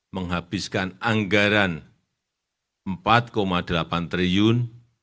menghabiskan anggaran rp empat delapan triliun